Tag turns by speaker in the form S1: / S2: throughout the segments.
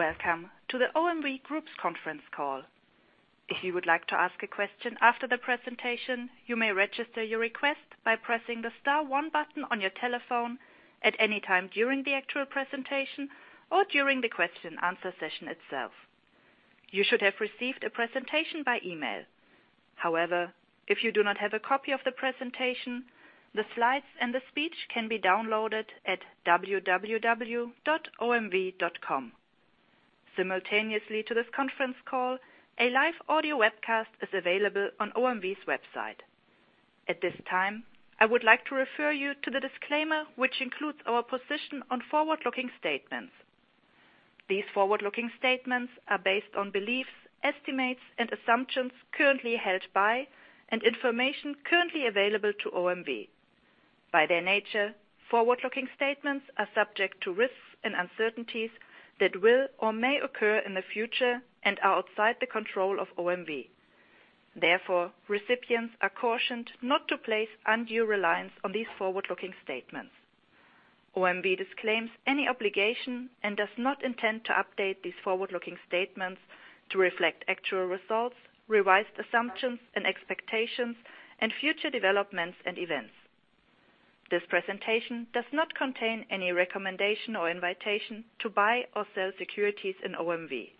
S1: Welcome to the OMV Group's conference call. If you would like to ask a question after the presentation, you may register your request by pressing the star one button on your telephone at any time during the actual presentation or during the question answer session itself. You should have received a presentation by email. However, if you do not have a copy of the presentation, the slides and the speech can be downloaded at www.omv.com. Simultaneously to this conference call, a live audio webcast is available on OMV's website. At this time, I would like to refer you to the disclaimer, which includes our position on forward-looking statements. These forward-looking statements are based on beliefs, estimates, and assumptions currently held by, and information currently available to OMV. By their nature, forward-looking statements are subject to risks and uncertainties that will or may occur in the future and are outside the control of OMV. Recipients are cautioned not to place undue reliance on these forward-looking statements. OMV disclaims any obligation and does not intend to update these forward-looking statements to reflect actual results, revised assumptions and expectations, and future developments and events. This presentation does not contain any recommendation or invitation to buy or sell securities in OMV.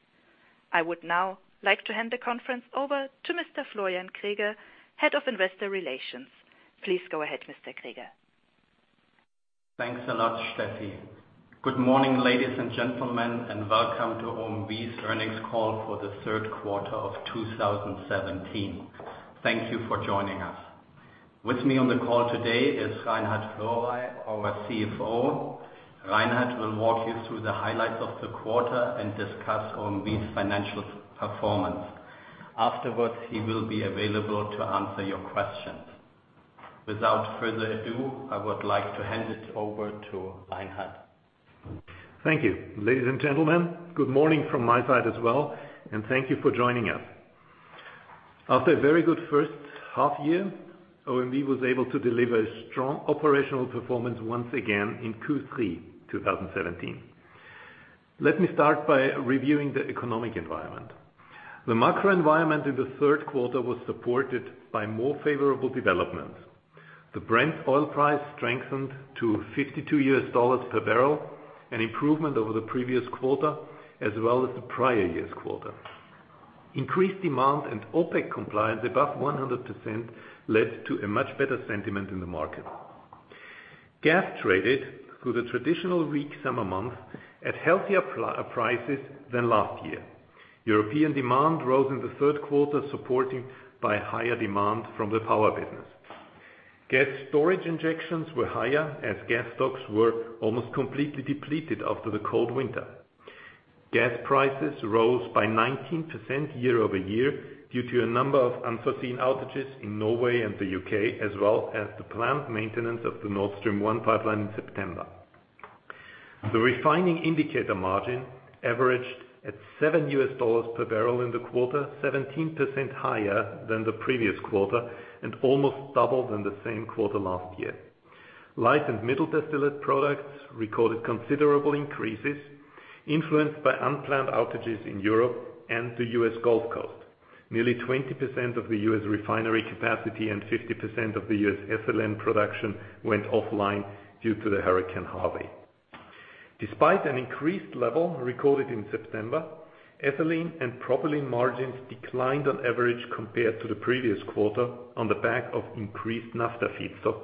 S1: I would now like to hand the conference over to Mr. Florian Greger, Head of Investor Relations. Please go ahead, Mr. Greger.
S2: Thanks a lot, Steffi. Good morning, ladies and gentlemen, and welcome to OMV's earnings call for the third quarter of 2017. Thank you for joining us. With me on the call today is Reinhard Florey, our CFO. Reinhard will walk you through the highlights of the quarter and discuss OMV's financial performance. Afterwards, he will be available to answer your questions. Without further ado, I would like to hand it over to Reinhard.
S3: Thank you. Ladies and gentlemen, good morning from my side as well, and thank you for joining us. After a very good first half year, OMV was able to deliver strong operational performance once again in Q3 2017. Let me start by reviewing the economic environment. The macro environment in the third quarter was supported by more favorable development. The Brent oil price strengthened to $52 per barrel, an improvement over the previous quarter, as well as the prior year's quarter. Increased demand and OPEC compliance above 100% led to a much better sentiment in the market. Gas traded through the traditional weak summer months at healthier prices than last year. European demand rose in the third quarter, supported by higher demand from the power business. Gas storage injections were higher as gas stocks were almost completely depleted after the cold winter. Gas prices rose by 19% year-over-year due to a number of unforeseen outages in Norway and the U.K., as well as the planned maintenance of the Nord Stream 1 pipeline in September. The refining indicator margin averaged at $7 per barrel in the quarter, 17% higher than the previous quarter and almost double than the same quarter last year. Light and middle distillate products recorded considerable increases influenced by unplanned outages in Europe and the U.S. Gulf Coast. Nearly 20% of the U.S. refinery capacity and 50% of the U.S. ethylene production went offline due to the Hurricane Harvey. Despite an increased level recorded in September, ethylene and propylene margins declined on average compared to the previous quarter on the back of increased naphtha feedstock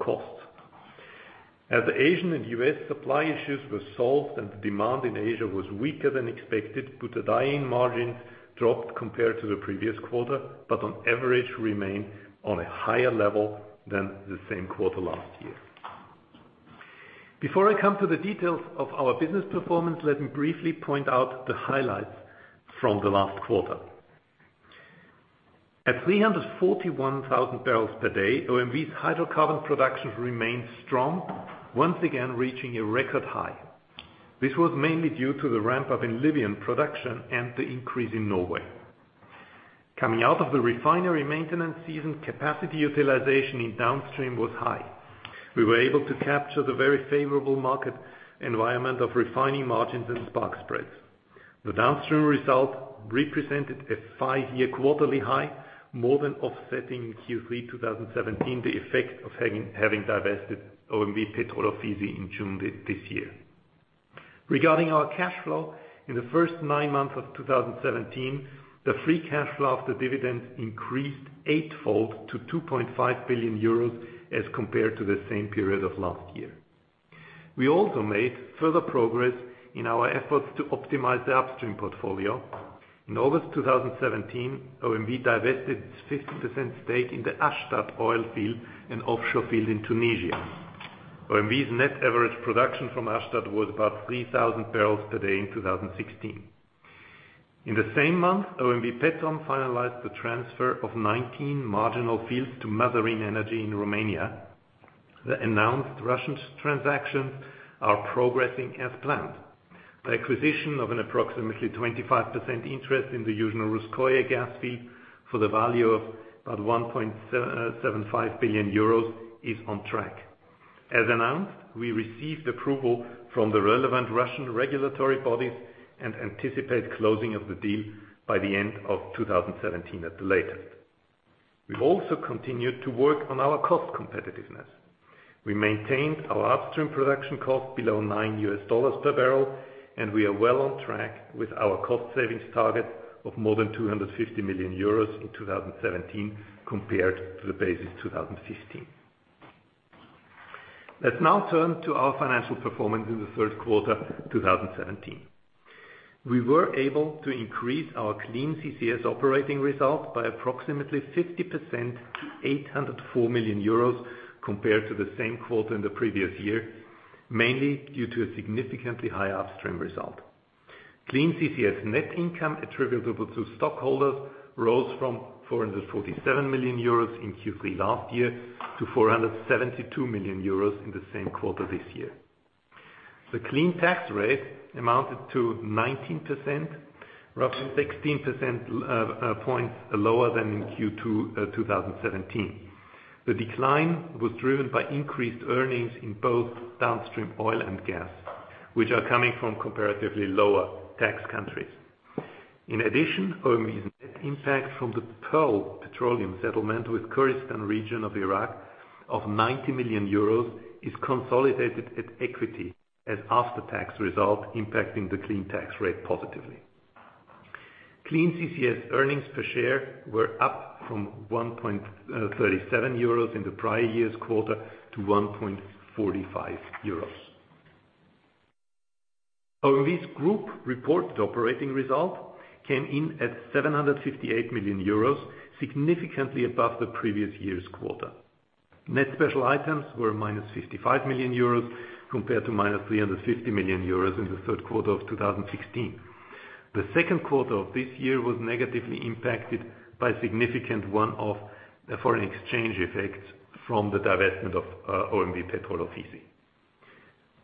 S3: costs. The Asian and U.S. supply issues were solved and the demand in Asia was weaker than expected, butadiene margins dropped compared to the previous quarter, but on average remain on a higher level than the same quarter last year. Before I come to the details of our business performance, let me briefly point out the highlights from the last quarter. At 341,000 barrels per day, OMV's hydrocarbon production remained strong, once again reaching a record high. This was mainly due to the ramp-up in Libyan production and the increase in Norway. Coming out of the refinery maintenance season, capacity utilization in downstream was high. We were able to capture the very favorable market environment of refining margins and spark spreads. The downstream result represented a five-year quarterly high, more than offsetting in Q3 2017 the effect of having divested OMV Petrol Ofisi in June this year. Regarding our cash flow, in the first nine months of 2017, the free cash flow after dividends increased eightfold to 2.5 billion euros as compared to the same period of last year. We also made further progress in our efforts to optimize the upstream portfolio. In August 2017, OMV divested its 50% stake in the Ashtart oil field and offshore field in Tunisia. OMV's net average production from Ashtart was about 3,000 barrels per day in 2016. In the same month, OMV Petrom finalized the transfer of 19 marginal fields to Mazarine Energy in Romania. The announced Russian transactions are progressing as planned. The acquisition of an approximately 25% interest in the Yuzhno Russkoye gas field for the value of about 1.75 billion euros is on track. We received approval from the relevant Russian regulatory bodies and anticipate closing of the deal by the end of 2017 at the latest. We've also continued to work on our cost competitiveness. We maintained our upstream production cost below $9 per barrel, we are well on track with our cost savings target of more than 250 million euros in 2017 compared to the base in 2015. Let's now turn to our financial performance in the third quarter 2017. We were able to increase our Clean CCS operating result by approximately 50%, 804 million euros compared to the same quarter in the previous year, mainly due to a significantly higher upstream result. Clean CCS net income attributable to stockholders rose from 447 million euros in Q3 last year to 472 million euros in the same quarter this year. The clean tax rate amounted to 19%, roughly 16 percentage points lower than in Q2 2017. The decline was driven by increased earnings in both downstream oil and gas, which are coming from comparatively lower tax countries. In addition, OMV's net impact from the Pearl Petroleum settlement with Kurdistan Region of Iraq of 90 million euros is consolidated at equity as after-tax result, impacting the clean tax rate positively. Clean CCS earnings per share were up from 1.37 euros in the prior year's quarter to 1.45 euros. OMV's group reported operating result came in at 758 million euros, significantly above the previous year's quarter. Net special items were minus 55 million euros compared to minus 350 million euros in the third quarter of 2016. The second quarter of this year was negatively impacted by significant one-off foreign exchange effects from the divestment of OMV Petrol Ofisi.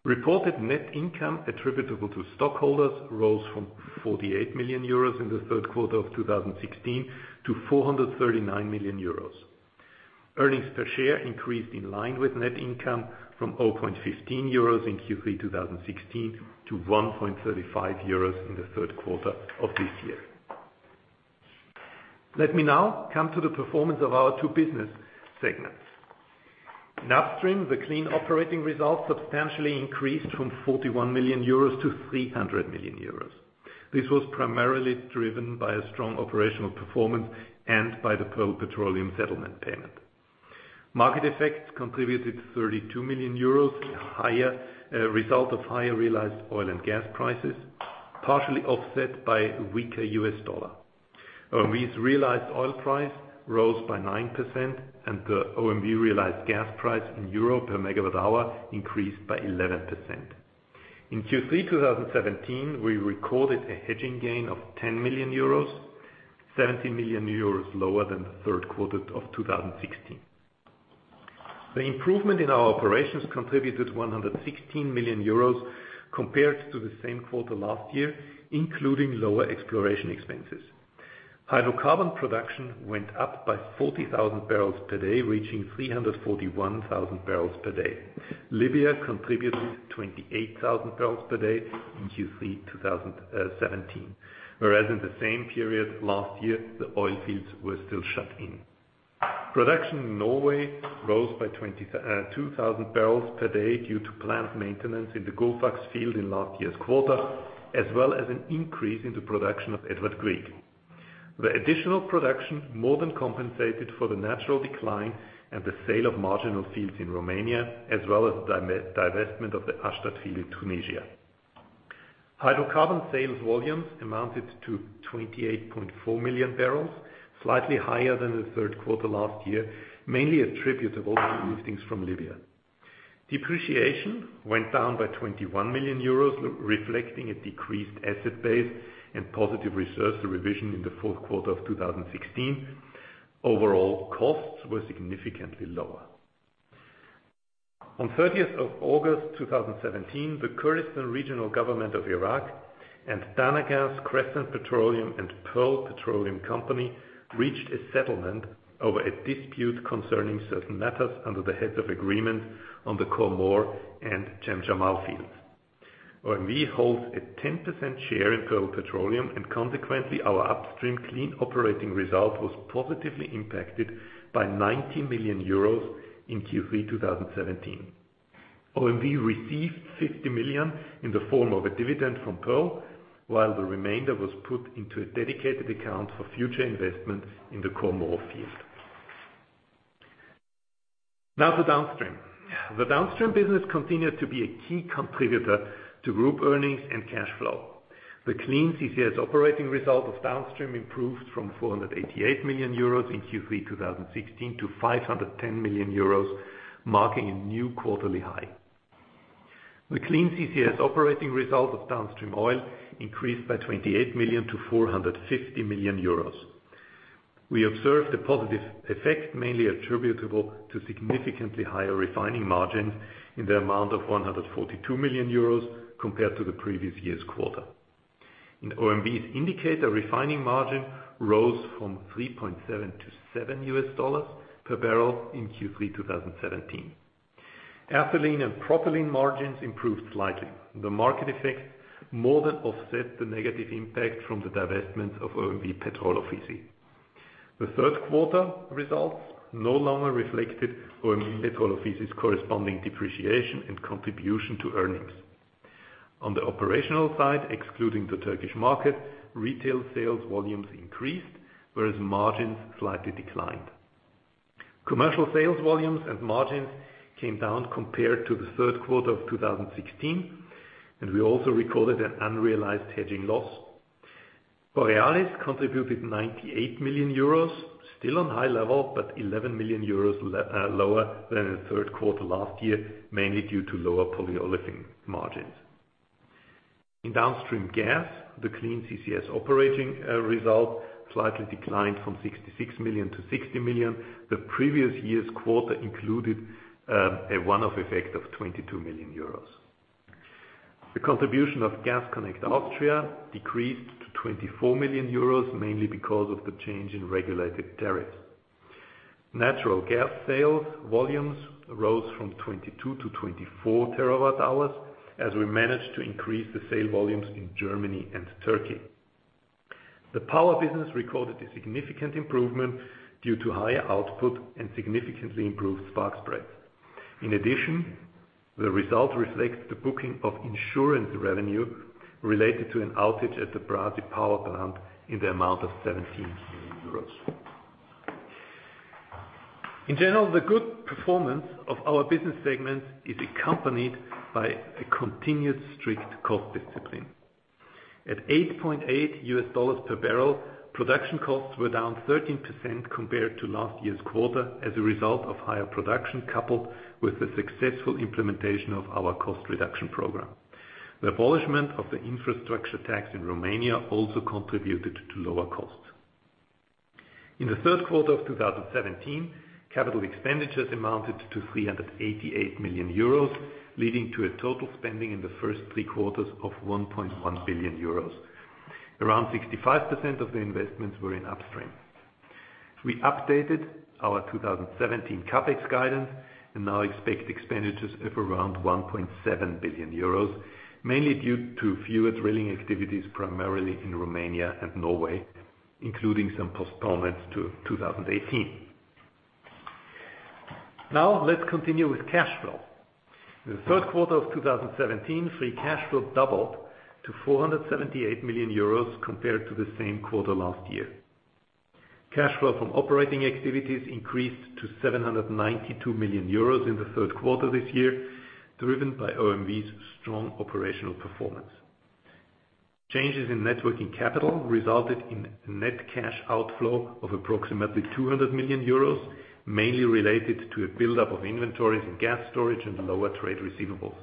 S3: Reported net income attributable to stockholders rose from 48 million euros in the third quarter of 2016 to 439 million euros. Earnings per share increased in line with net income from 0.15 euros in Q3 2016 to 1.35 euros in the third quarter of this year. Let me now come to the performance of our two business segments. In upstream, the clean operating results substantially increased from 41 million euros to 300 million euros. This was primarily driven by a strong operational performance and by the Pearl Petroleum settlement payment. Market effects contributed 32 million euros, a result of higher realized oil and gas prices, partially offset by a weaker U.S. dollar. OMV's realized oil price rose by 9%, and the OMV realized gas price in Europe per megawatt hour increased by 11%. In Q3 2017, we recorded a hedging gain of 10 million euros, 17 million euros lower than the third quarter of 2016. The improvement in our operations contributed 116 million euros compared to the same quarter last year, including lower exploration expenses. Hydrocarbon production went up by 40,000 barrels per day, reaching 341,000 barrels per day. Libya contributed 28,000 barrels per day in Q3 2017, whereas in the same period last year, the oil fields were still shut in. Production in Norway rose by 22,000 barrels per day due to planned maintenance in the Gullfaks field in last year's quarter, as well as an increase in the production of Edvard Grieg. The additional production more than compensated for the natural decline and the sale of marginal fields in Romania, as well as the divestment of the Ashtart field in Tunisia. Hydrocarbon sales volumes amounted to 28.4 million barrels, slightly higher than the third quarter last year, mainly attributable to liftings from Libya. Depreciation went down by 21 million euros, reflecting a decreased asset base and positive reserve revision in the fourth quarter of 2016. Overall costs were significantly lower. On 30th of August 2017, the Kurdistan Regional Government of Iraq and Dana Gas, Crescent Petroleum, and Pearl Petroleum Company reached a settlement over a dispute concerning certain matters under the heads of agreement on the Khor Mor and Chemchemal fields. OMV holds a 10% share in Pearl Petroleum, and consequently, our upstream Clean operating result was positively impacted by 90 million euros in Q3 2017. OMV received 50 million in the form of a dividend from Pearl, while the remainder was put into a dedicated account for future investment in the Khor Mor field. Now for downstream. The downstream business continued to be a key contributor to group earnings and cash flow. The Clean CCS operating result of downstream improved from 488 million euros in Q3 2016 to 510 million euros, marking a new quarterly high. The Clean CCS operating result of downstream oil increased by 28 million to 450 million euros. We observed a positive effect, mainly attributable to significantly higher refining margins in the amount of 142 million euros compared to the previous year's quarter. OMV's indicator refining margin rose from $3.7 to $7 per barrel in Q3 2017. Ethylene and propylene margins improved slightly. The market effects more than offset the negative impact from the divestment of OMV Petrol Ofisi. The third quarter results no longer reflected OMV Petrol Ofisi's corresponding depreciation and contribution to earnings. On the operational side, excluding the Turkish market, retail sales volumes increased, whereas margins slightly declined. Commercial sales volumes and margins came down compared to the third quarter of 2016, and we also recorded an unrealized hedging loss. Borealis contributed 98 million euros, still on high level, but 11 million euros lower than the third quarter last year, mainly due to lower polyolefin margins. In downstream gas, the Clean CCS operating result slightly declined from 66 million to 60 million. The previous year's quarter included a one-off effect of 22 million euros. The contribution of Gas Connect Austria decreased to 24 million euros, mainly because of the change in regulated tariffs. Natural gas sales volumes rose from 22 to 24 terawatt-hours, as we managed to increase the sale volumes in Germany and Turkey. The power business recorded a significant improvement due to higher output and significantly improved spark spreads. In addition, the result reflects the booking of insurance revenue related to an outage at the Brazi power plant in the amount of 17 million euros. In general, the good performance of our business segment is accompanied by a continuous strict cost discipline. At $8.8 per barrel, production costs were down 13% compared to last year's quarter as a result of higher production, coupled with the successful implementation of our cost reduction program. The abolishment of the infrastructure tax in Romania also contributed to lower costs. In the third quarter of 2017, capital expenditures amounted to 388 million euros, leading to a total spending in the first three quarters of 1.1 billion euros. Around 65% of the investments were in upstream. We updated our 2017 CapEx guidance and now expect expenditures of around 1.7 billion euros, mainly due to fewer drilling activities, primarily in Romania and Norway, including some postponements to 2018. Let's continue with cash flow. In the third quarter of 2017, free cash flow doubled to 478 million euros compared to the same quarter last year. Cash flow from operating activities increased to 792 million euros in the third quarter this year, driven by OMV's strong operational performance. Changes in net working capital resulted in net cash outflow of approximately 200 million euros, mainly related to a buildup of inventories in gas storage and lower trade receivables.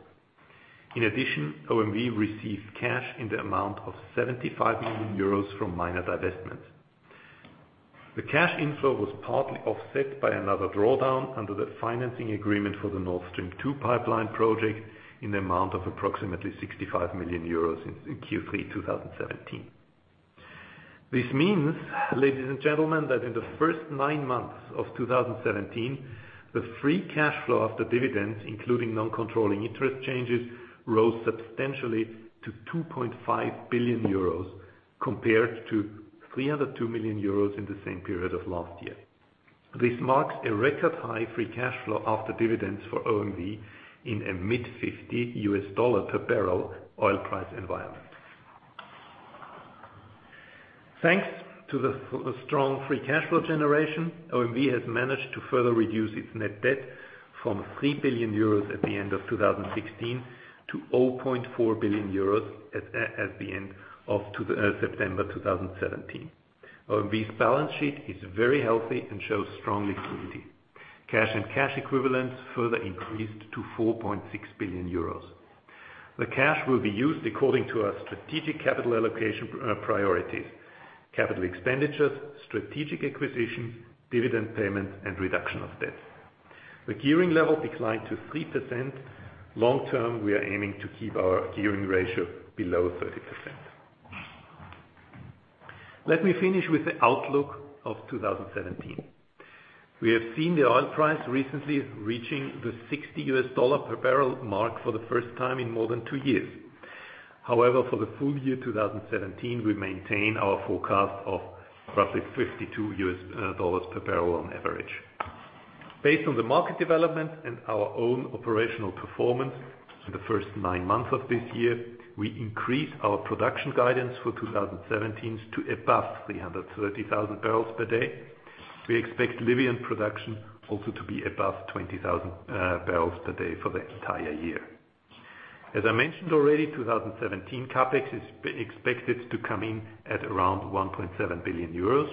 S3: In addition, OMV received cash in the amount of 75 million euros from minor divestments. The cash inflow was partly offset by another drawdown under the financing agreement for the Nord Stream 2 pipeline project in the amount of approximately 65 million euros in Q3 2017. Ladies and gentlemen, that in the first nine months of 2017, the free cash flow after dividends, including non-controlling interest changes, rose substantially to 2.5 billion euros compared to 302 million euros in the same period of last year. This marks a record-high free cash flow after dividends for OMV in a mid 50 US dollars per barrel oil price environment. Thanks to the strong free cash flow generation, OMV has managed to further reduce its net debt from 3 billion euros at the end of 2016 to 0.4 billion euros at the end of September 2017. OMV's balance sheet is very healthy and shows strong liquidity. Cash and cash equivalents further increased to 4.6 billion euros. The cash will be used according to our strategic capital allocation priorities: capital expenditures, strategic acquisitions, dividend payments, and reduction of debts. The gearing level declined to 3%. Long-term, we are aiming to keep our gearing ratio below 30%. Let me finish with the outlook of 2017. We have seen the oil price recently reaching the 60 US dollars per barrel mark for the first time in more than two years. For the full year 2017, we maintain our forecast of roughly 52 US dollars per barrel on average. Based on the market development and our own operational performance in the first nine months of this year, we increased our production guidance for 2017 to above 330,000 barrels per day. We expect Libyan production also to be above 20,000 barrels per day for the entire year. As I mentioned already, 2017 CapEx is expected to come in at around 1.7 billion euros.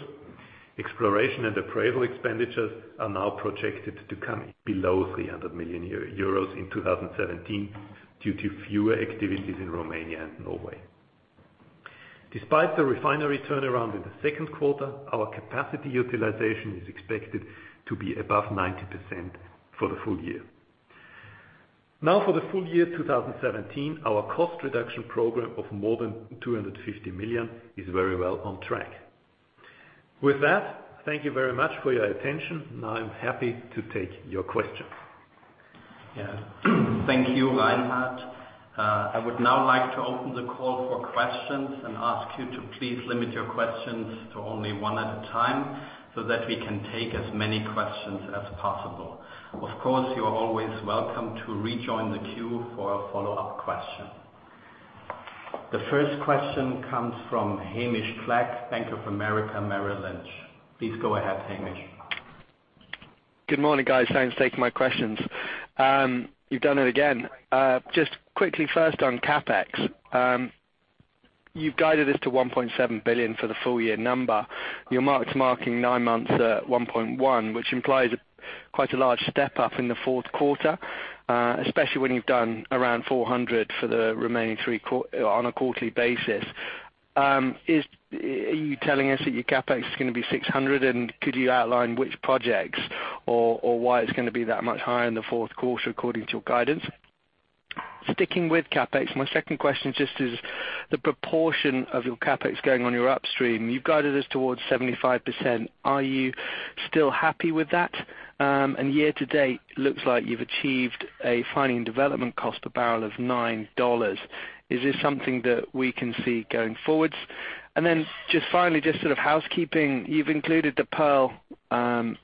S3: Exploration and appraisal expenditures are now projected to come in below 300 million euros in 2017 due to fewer activities in Romania and Norway. Despite the refinery turnaround in the second quarter, our capacity utilization is expected to be above 90% for the full year. For the full year 2017, our cost reduction program of more than 250 million is very well on track. With that, thank you very much for your attention. I am happy to take your questions.
S2: Thank you, Reinhard. I would now like to open the call for questions and ask you to please limit your questions to only one at a time so that we can take as many questions as possible. Of course, you are always welcome to rejoin the queue for a follow-up question. The first question comes from Hamish Flegg, Bank of America Merrill Lynch. Please go ahead, Hamish.
S4: Good morning, guys. Thanks for taking my questions. You've done it again. Just quickly, first on CapEx, you have guided us to 1.7 billion for the full year number. Your market is marking nine months at 1.1 billion, which implies quite a large step up in the fourth quarter, especially when you have done around 400 million for the remaining three on a quarterly basis. Are you telling us that your CapEx is going to be 600 million, and could you outline which projects or why it is going to be that much higher in the fourth quarter, according to your guidance? Sticking with CapEx, my second question, just is the proportion of your CapEx going on your upstream. You have guided us towards 75%. Are you still happy with that? Year to date, looks like you have achieved a finding development cost per barrel of $9. Is this something that we can see going forward? Just finally, just sort of housekeeping. You have included the Pearl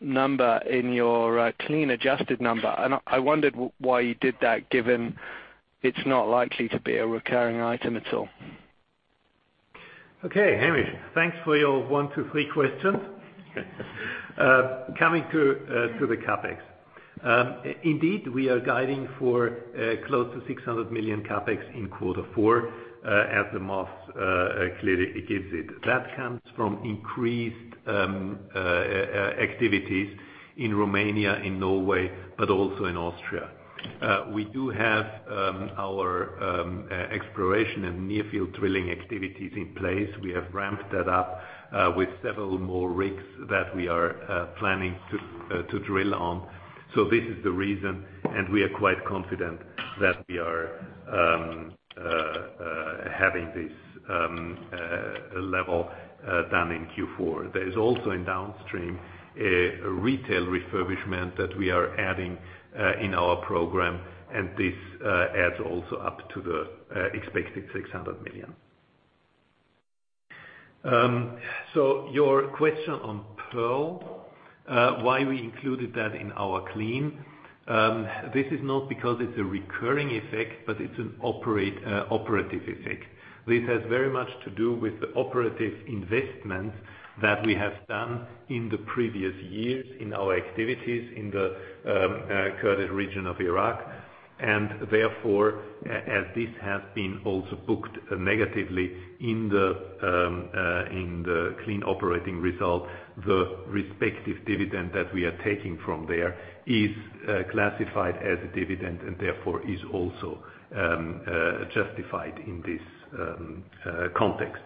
S4: number in your clean adjusted number, and I wondered why you did that given it is not likely to be a recurring item at all.
S3: Okay, Hamish, thanks for your one, two, three questions. Coming to the CapEx. Indeed, we are guiding for close to 600 million CapEx in quarter four, as the most clearly gives it. That comes from increased activities in Romania, in Norway, but also in Austria. We do have our exploration and near field drilling activities in place. We have ramped that up with several more rigs that we are planning to drill on. This is the reason, and we are quite confident that we are having this level done in Q4. There is also in downstream, a retail refurbishment that we are adding in our program, and this adds also up to the expected 600 million. Your question on Pearl, why we included that in our Clean. This is not because it is a recurring effect, but it is an operative effect. This has very much to do with the operative investment that we have done in the previous years in our activities in the Kurdish region of Iraq, and therefore, as this has been also booked negatively in the Clean operating result, the respective dividend that we are taking from there is classified as a dividend and therefore is also justified in this context.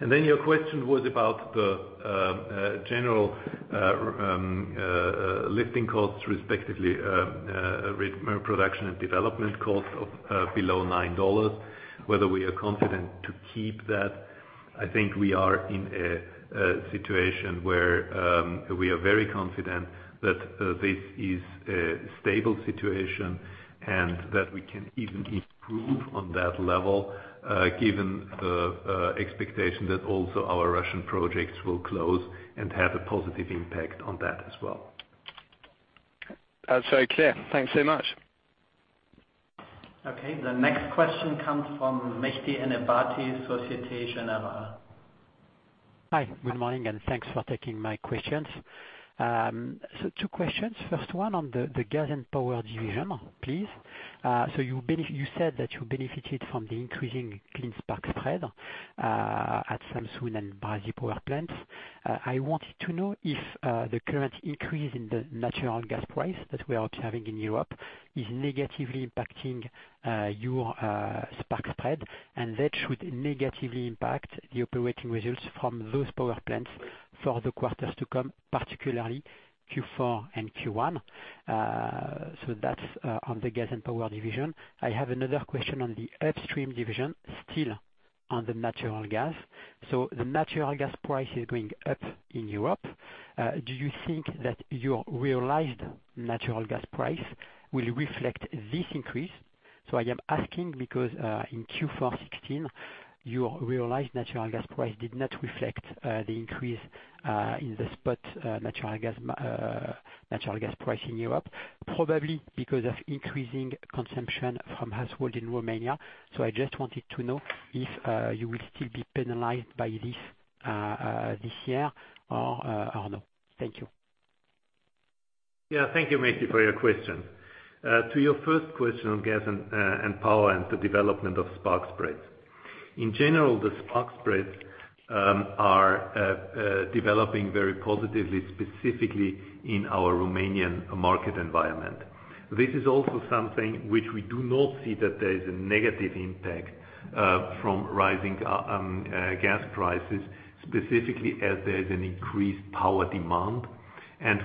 S3: Your question was about the general lifting costs, respectively production and development costs of below $9, whether we are confident to keep that. I think we are in a situation where we are very confident that this is a stable situation and that we can even improve on that level, given the expectation that also our Russian projects will close and have a positive impact on that as well.
S4: That's very clear. Thanks so much.
S2: Okay. The next question comes from Mehdi Ennebati, Societe Generale.
S5: Hi, good morning, and thanks for taking my questions. Two questions. First one on the gas and power division, please. You said that you benefited from the increasing clean spark spread at Samsun and Brazi power plants. I wanted to know if the current increase in the natural gas price that we are having in Europe is negatively impacting your spark spread, and that should negatively impact the operating results from those power plants for the quarters to come, particularly Q4 and Q1. That's on the gas and power division. I have another question on the upstream division, still on the natural gas. The natural gas price is going up in Europe. Do you think that your realized natural gas price will reflect this increase? I am asking because, in Q4 2016, your realized natural gas price did not reflect the increase in the spot natural gas price in Europe, probably because of increasing consumption from household in Romania. I just wanted to know if you will still be penalized by this this year or no. Thank you.
S3: Yeah, thank you, Mehdi, for your question. To your first question on gas and power and the development of spark spreads. In general, the spark spreads are developing very positively, specifically in our Romanian market environment. This is also something which we do not see that there is a negative impact from rising gas prices, specifically as there is an increased power demand.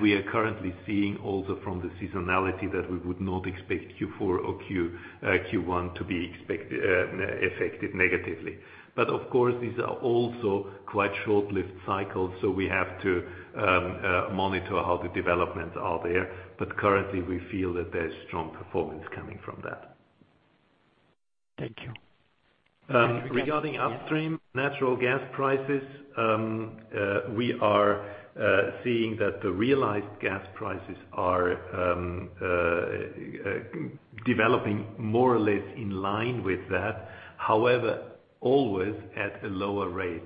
S3: We are currently seeing also from the seasonality that we would not expect Q4 or Q1 to be affected negatively. Of course, these are also quite short-lived cycles, so we have to monitor how the developments are there. Currently we feel that there's strong performance coming from that.
S5: Thank you.
S3: Regarding upstream natural gas prices, we are seeing that the realized gas prices are developing more or less in line with that, however, always at a lower rate.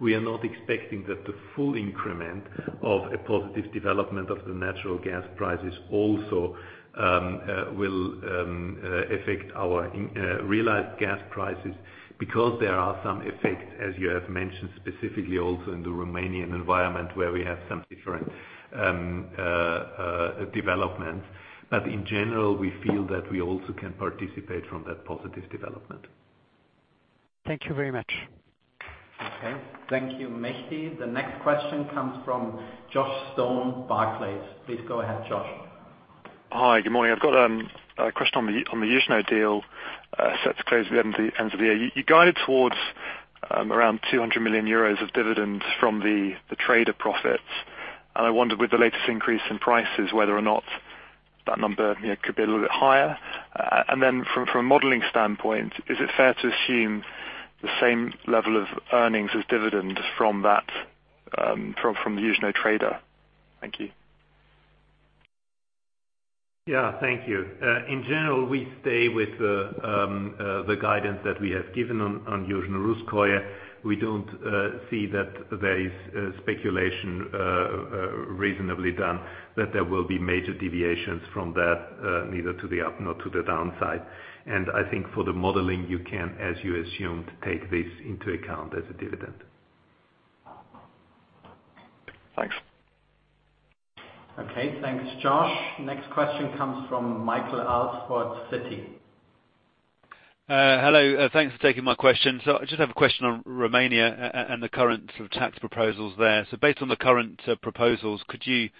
S3: We are not expecting that the full increment of a positive development of the natural gas prices also will affect our realized gas prices, because there are some effects, as you have mentioned, specifically also in the Romanian environment where we have some different developments. In general, we feel that we also can participate from that positive development.
S5: Thank you very much.
S2: Okay. Thank you, Mehdi. The next question comes from Joshua Stone, Barclays. Please go ahead, Josh.
S6: Hi. Good morning. I've got a question on the Yuzhno deal set to close at the end of the year. You guided towards around 200 million euros of dividends from the trader profits, I wonder with the latest increase in prices, whether or not that number could be a little bit higher. From a modeling standpoint, is it fair to assume the same level of earnings as dividends from the Yuzhno trader? Thank you.
S3: Yeah. Thank you. In general, we stay with the guidance that we have given on Yuzhno Russkoye. We don't see that there is speculation reasonably done that there will be major deviations from that, neither to the up nor to the downside. I think for the modeling, you can, as you assumed, take this into account as a dividend.
S6: Thanks.
S2: Okay, thanks, Josh. Next question comes from Michael Alford, Citi.
S7: Hello. Thanks for taking my question. I just have a question on Romania and the current sort of tax proposals there. Based on the current proposals, could you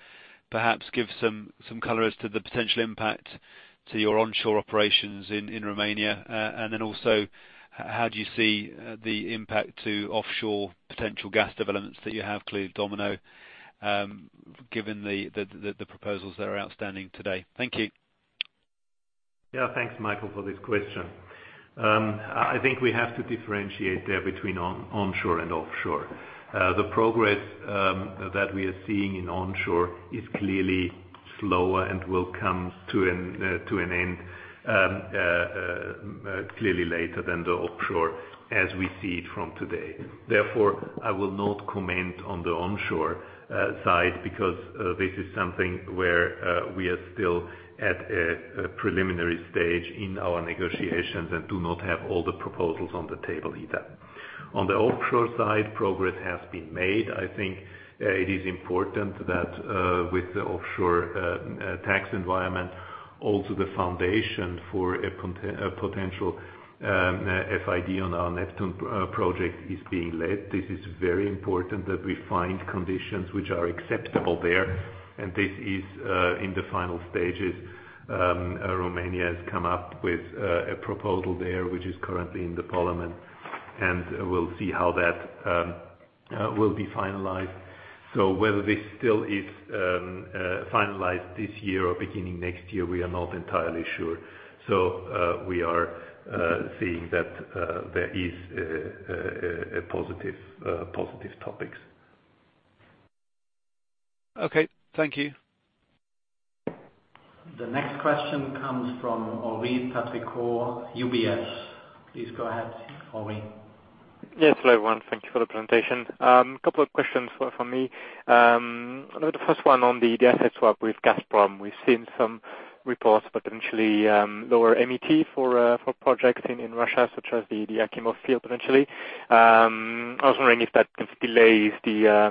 S7: perhaps give some color as to the potential impact to your onshore operations in Romania? Also, how do you see the impact to offshore potential gas developments that you have, clearly Domino, given the proposals that are outstanding today? Thank you.
S3: Thanks, Michael, for this question. I think we have to differentiate there between onshore and offshore. The progress that we are seeing in onshore is clearly slower and will come to an end clearly later than the offshore as we see it from today. Therefore, I will not comment on the onshore side because this is something where we are still at a preliminary stage in our negotiations and do not have all the proposals on the table either. On the offshore side, progress has been made. I think it is important that with the offshore tax environment, also the foundation for a potential FID on our Neptun project is being led. This is very important that we find conditions which are acceptable there. This is in the final stages. Romania has come up with a proposal there, which is currently in the parliament, and we'll see how that will be finalized. Whether this still is finalized this year or beginning next year, we are not entirely sure. We are seeing that there is a positive topics.
S7: Thank you.
S2: The next question comes from Henri Patricot, UBS. Please go ahead, Henri.
S8: Yes, hello, everyone. Thank you for the presentation. Couple of questions for me. The first one on the asset swap with Gazprom. We've seen some reports, potentially lower MET for projects in Russia, such as the Achimov field, potentially. I was wondering if that delays the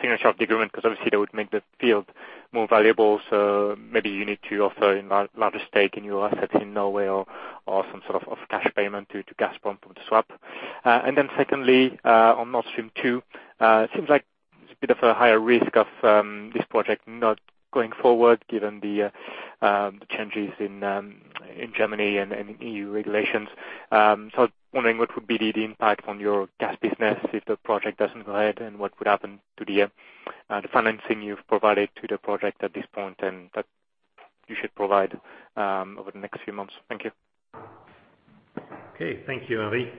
S8: signature of the agreement because obviously that would make the field more valuable, so maybe you need to offer a larger stake in your assets in Norway or some sort of cash payment to Gazprom from the swap. Secondly, on Nord Stream 2, it seems like there's a bit of a higher risk of this project not going forward given the changes in Germany and in EU regulations. I was wondering what would be the impact on your gas business if the project doesn't go ahead, and what would happen to the financing you've provided to the project at this point and that you should provide over the next few months? Thank you.
S3: Okay. Thank you, Henri.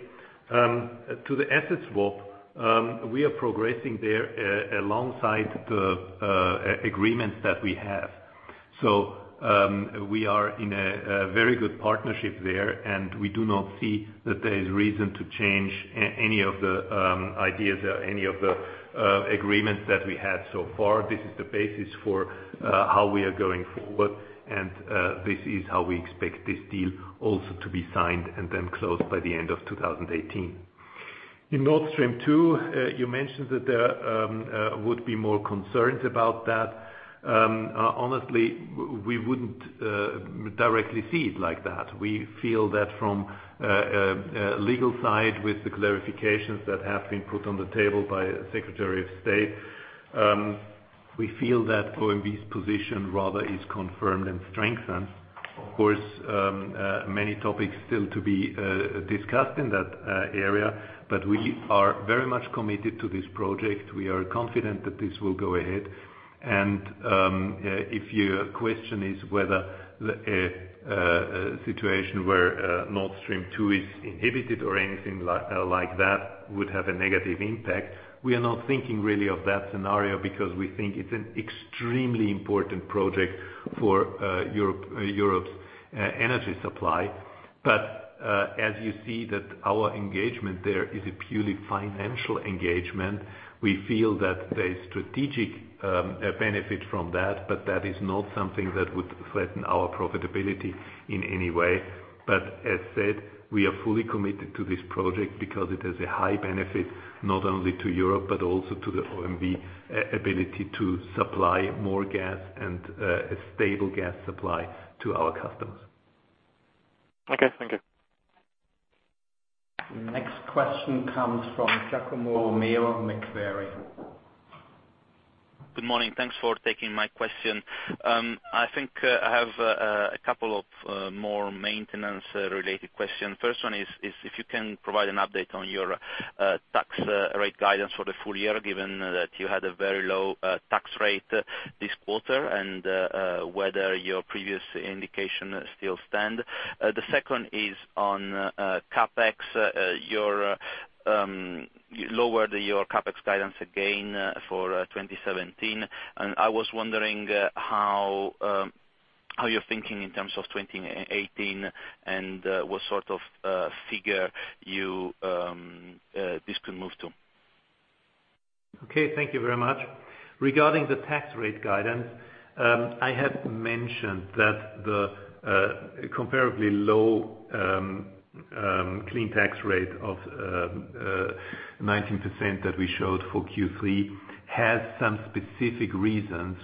S3: To the assets swap, we are progressing there alongside the agreements that we have. We are in a very good partnership there, and we do not see that there is reason to change any of the ideas or any of the agreements that we have so far. This is the basis for how we are going forward, and this is how we expect this deal also to be signed and then closed by the end of 2018. In Nord Stream 2, you mentioned that there would be more concerns about that. Honestly, we wouldn't directly see it like that. We feel that from a legal side, with the clarifications that have been put on the table by Secretary of State, we feel that OMV's position rather is confirmed and strengthened. Of course, many topics still to be discussed in that area, but we are very much committed to this project. We are confident that this will go ahead. If your question is whether a situation where Nord Stream 2 is inhibited or anything like that would have a negative impact, we are not thinking really of that scenario because we think it's an extremely important project for Europe's energy supply. As you see that our engagement there is a purely financial engagement, we feel that there is strategic benefit from that, but that is not something that would threaten our profitability in any way. As said, we are fully committed to this project because it has a high benefit not only to Europe, but also to the OMV ability to supply more gas and a stable gas supply to our customers.
S8: Okay. Thank you.
S2: Next question comes from Giacomo Romeo, Macquarie.
S9: Good morning. Thanks for taking my question. I think I have a couple of more maintenance-related questions. First one is if you can provide an update on your tax rate guidance for the full year, given that you had a very low tax rate this quarter and whether your previous indication still stand. The second is on CapEx. You lowered your CapEx guidance again for 2017. I was wondering how you're thinking in terms of 2018 and what sort of figure this could move to.
S3: Okay. Thank you very much. Regarding the tax rate guidance, I had mentioned that the comparably low clean tax rate of 19% that we showed for Q3 has some specific reasons,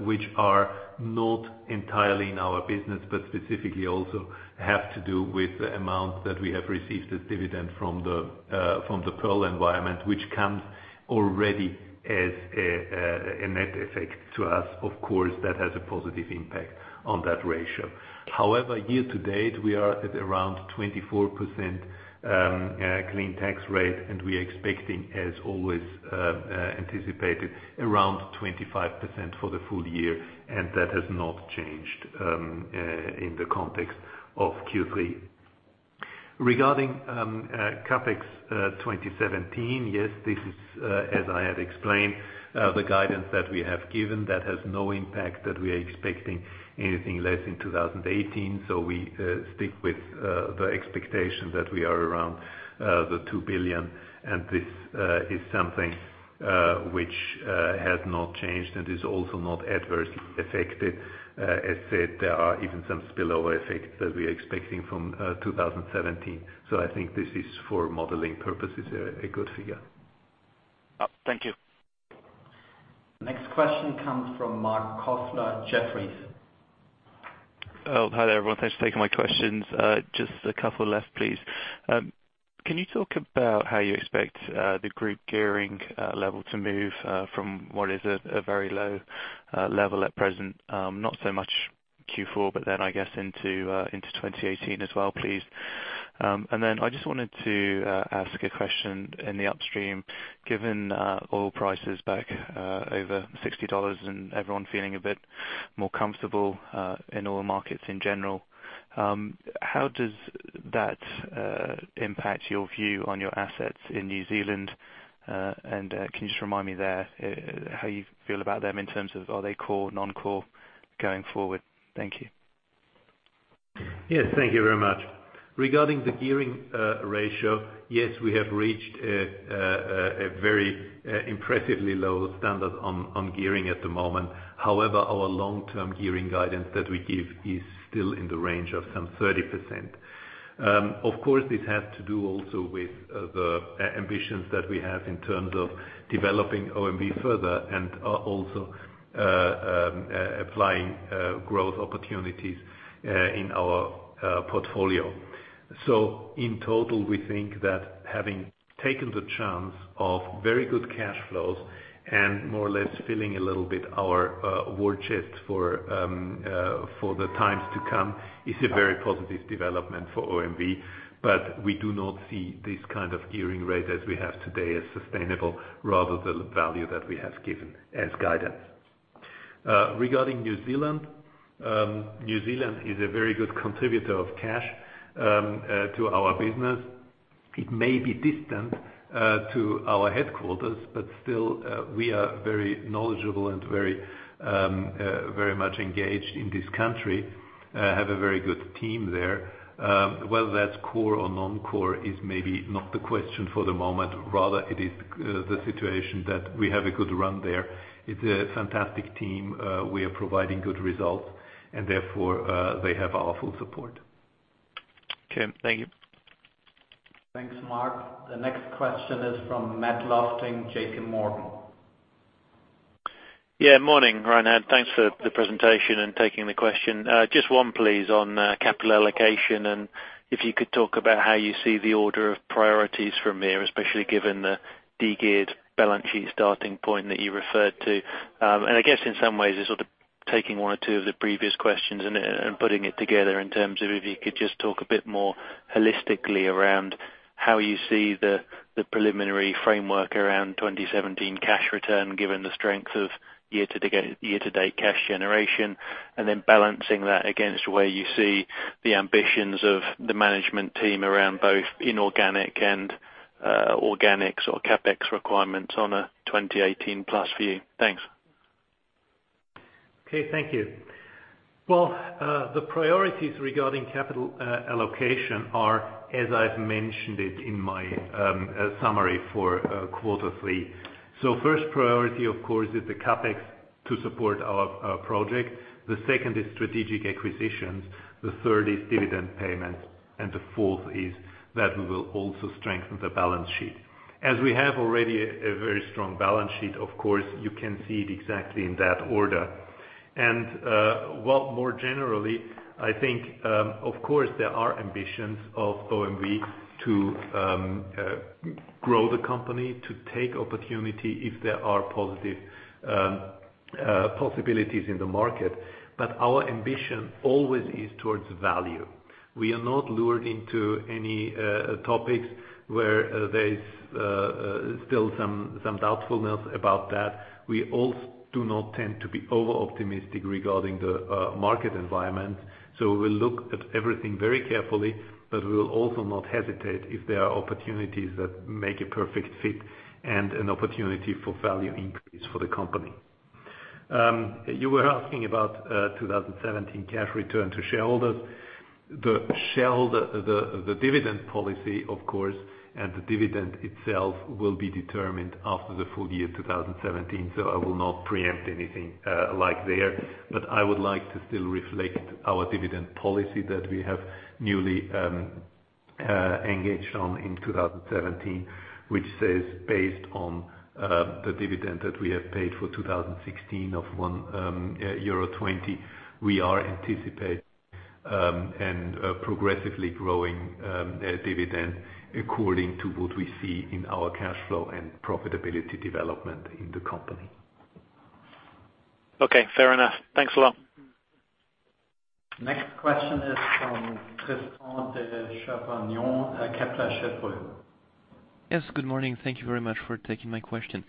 S3: which are not entirely in our business, but specifically also have to do with the amount that we have received as dividend from Pearl Petroleum, which comes already as a net effect to us. Of course, that has a positive impact on that ratio. Year to date, we are at around 24% clean tax rate, and we are expecting, as always anticipated, around 25% for the full year, and that has not changed in the context of Q3. Regarding CapEx 2017, yes, this is as I had explained, the guidance that we have given that has no impact that we are expecting anything less in 2018. We stick with the expectation that we are around 2 billion and this is something which has not changed and is also not adversely affected. As said, there are even some spillover effects that we are expecting from 2017. I think this is for modeling purposes, a good figure.
S9: Thank you.
S2: Next question comes from Mark Wilson, Jefferies.
S10: Hi there, everyone. Thanks for taking my questions. Just a couple left, please. Can you talk about how you expect the group gearing level to move from what is a very low level at present, not so much Q4, but I guess into 2018 as well, please. I just wanted to ask a question in the upstream, given oil prices back over $60 and everyone feeling a bit more comfortable in oil markets in general, how does that impact your view on your assets in New Zealand? Can you just remind me there how you feel about them in terms of are they core, non-core going forward? Thank you.
S3: Yes. Thank you very much. Regarding the gearing ratio, yes, we have reached a very impressively low standard on gearing at the moment. However, our long-term gearing guidance that we give is still in the range of some 30%. Of course, this has to do also with the ambitions that we have in terms of developing OMV further and also applying growth opportunities in our portfolio. In total, we think that having taken the chance of very good cash flows and more or less filling a little bit our war chest for the times to come is a very positive development for OMV. We do not see this kind of gearing rate as we have today as sustainable, rather the value that we have given as guidance. Regarding New Zealand. New Zealand is a very good contributor of cash to our business. It may be distant to our headquarters, but still, we are very knowledgeable and very much engaged in this country, have a very good team there. Whether that's core or non-core is maybe not the question for the moment. Rather, it is the situation that we have a good run there. It's a fantastic team. We are providing good results and therefore, they have our full support.
S10: Okay, thank you.
S2: Thanks, Mark. The next question is from Matthew Lofting, J.P. Morgan.
S11: Yeah, morning, Reinhard. Thanks for the presentation and taking the question. Just one please, on capital allocation, if you could talk about how you see the order of priorities from there, especially given the de-geared balance sheet starting point that you referred to. I guess in some ways, sort of taking one or two of the previous questions and putting it together in terms of if you could just talk a bit more holistically around how you see the preliminary framework around 2017 cash return, given the strength of year-to-date cash generation, then balancing that against where you see the ambitions of the management team around both inorganic and organics or CapEx requirements on a 2018 plus view. Thanks.
S3: Okay, thank you. Well, the priorities regarding capital allocation are, as I've mentioned it in my summary for quarter three. First priority, of course, is the CapEx to support our project. The second is strategic acquisitions, the third is dividend payment, the fourth is that we will also strengthen the balance sheet. As we have already a very strong balance sheet, of course, you can see it exactly in that order. Well, more generally, I think, of course, there are ambitions of OMV to grow the company, to take opportunity if there are positive possibilities in the market. Our ambition always is towards value. We are not lured into any topics where there is still some doubtfulness about that. We also do not tend to be over-optimistic regarding the market environment. We'll look at everything very carefully, we will also not hesitate if there are opportunities that make a perfect fit and an opportunity for value increase for the company. You were asking about 2017 cash return to shareholders. The dividend policy, of course, and the dividend itself will be determined after the full year 2017, I will not preempt anything like there. I would like to still reflect our dividend policy that we have newly engaged on in 2017, which says based on the dividend that we have paid for 2016 of 1.20 euro, we are anticipating and progressively growing dividend according to what we see in our cash flow and profitability development in the company.
S11: Okay, fair enough. Thanks a lot.
S2: Next question is from Tristan de Jerphanion, Kepler Cheuvreux.
S12: Yes, good morning. Thank you very much for taking my question.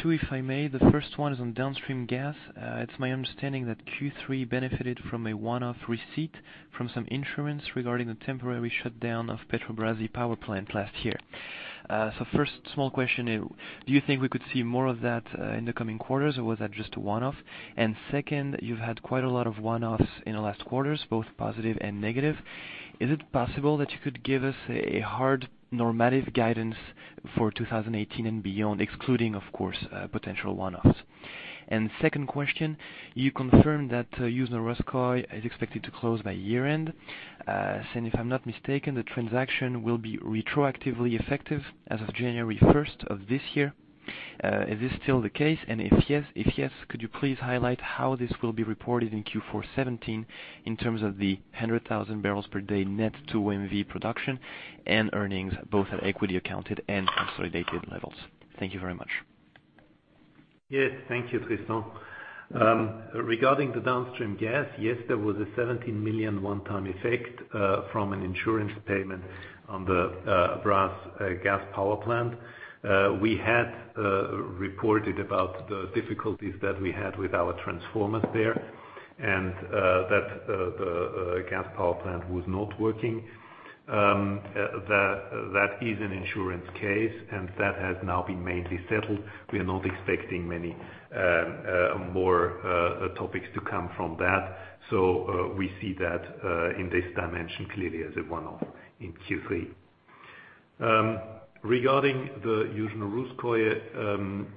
S12: Two, if I may. The first one is on downstream gas. It's my understanding that Q3 benefited from a one-off receipt from some insurance regarding the temporary shutdown of Brazi power plant last year. First small question is, do you think we could see more of that in the coming quarters, or was that just a one-off? Second, you've had quite a lot of one-offs in the last quarters, both positive and negative. Is it possible that you could give us a hard normative guidance for 2018 and beyond, excluding, of course, potential one-offs? Second question, you confirmed that Yuzhno Russkoye is expected to close by year-end. If I'm not mistaken, the transaction will be retroactively effective as of January 1st of this year. Is this still the case? If yes, could you please highlight how this will be reported in Q4 '17 in terms of the 100,000 barrels per day net to OMV production and earnings, both at equity accounted and consolidated levels? Thank you very much.
S3: Yes. Thank you, Tristan. Regarding the downstream gas, yes, there was a 17 million one-time effect from an insurance payment on the Brazi gas power plant. We had reported about the difficulties that we had with our transformers there, and that the gas power plant was not working. That is an insurance case, and that has now been mainly settled. We are not expecting many more topics to come from that. We see that in this dimension, clearly as a one-off in Q3. Regarding the Yuzhno Russkoye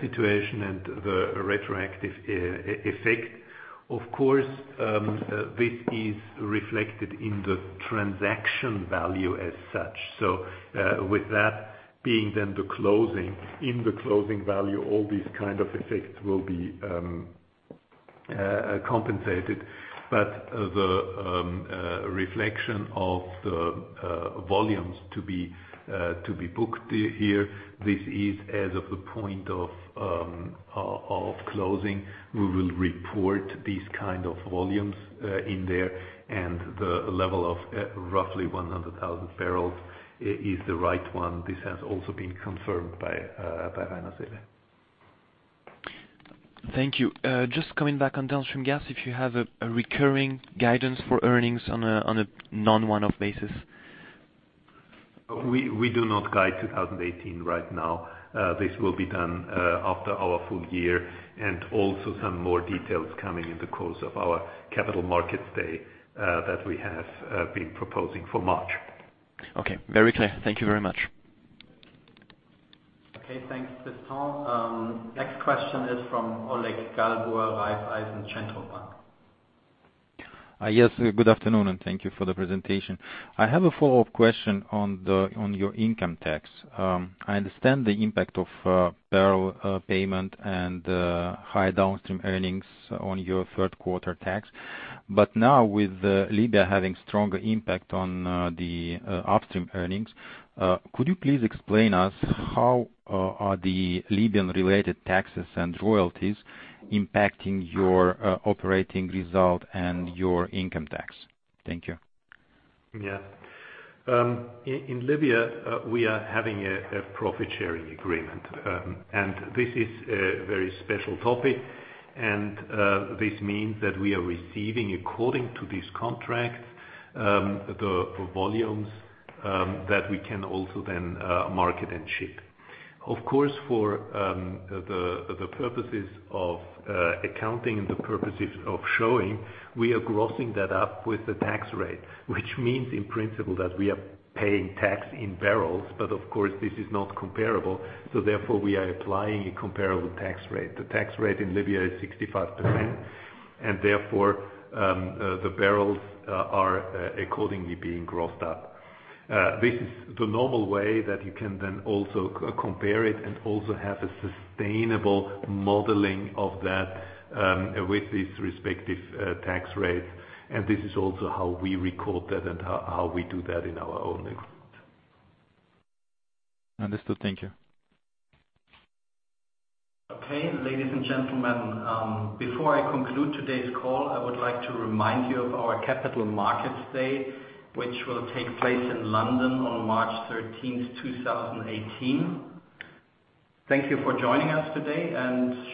S3: situation and the retroactive effect, of course, this is reflected in the transaction value as such. With that being then the closing, in the closing value, all these kinds of effects will be compensated. The reflection of the volumes to be booked here, this is as of the point of closing. We will report these kinds of volumes in there, and the level of roughly 100,000 barrels is the right one. This has also been confirmed by Rainer Seele.
S12: Thank you. Just coming back on downstream gas, if you have a recurring guidance for earnings on a non-one-off basis.
S3: We do not guide 2018 right now. This will be done after our full year and also some more details coming in the course of our Capital Markets Day that we have been proposing for March.
S12: Okay. Very clear. Thank you very much.
S2: Okay, thanks, Tristan. Next question is from Oleg Galbur of Raiffeisen Centrobank.
S13: Yes. Good afternoon. Thank you for the presentation. I have a follow-up question on your income tax. I understand the impact of Pearl payment and the high downstream earnings on your third quarter tax. Now with Libya having stronger impact on the upstream earnings, could you please explain us how are the Libyan-related taxes and royalties impacting your operating result and your income tax? Thank you.
S3: Yeah. In Libya, we are having a profit-sharing agreement, and this is a very special topic. This means that we are receiving according to this contract, the volumes that we can also then market and ship. Of course, for the purposes of accounting and the purposes of showing, we are grossing that up with the tax rate, which means in principle that we are paying tax in barrels. Of course, this is not comparable, so therefore, we are applying a comparable tax rate. The tax rate in Libya is 65%, therefore, the barrels are accordingly being grossed up. This is the normal way that you can then also compare it and also have a sustainable modeling of that, with these respective tax rates. This is also how we record that and how we do that in our own.
S13: Understood. Thank you.
S2: Okay. Ladies and gentlemen, before I conclude today's call, I would like to remind you of our Capital Markets Day, which will take place in London on March 13th, 2018. Thank you for joining us today.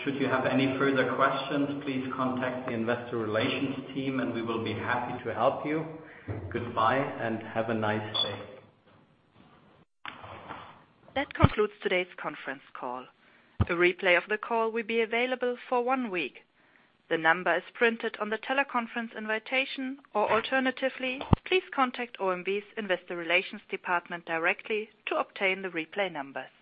S2: Should you have any further questions, please contact the investor relations team and we will be happy to help you. Goodbye and have a nice day.
S1: That concludes today's conference call. A replay of the call will be available for one week. The number is printed on the teleconference invitation, or alternatively, please contact OMV's Investor Relations Department directly to obtain the replay number.